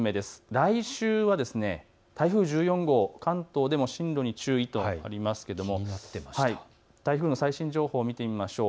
来週は台風１４号、関東でも進路に注意とありますけれども台風の最新情報を見てみましょう。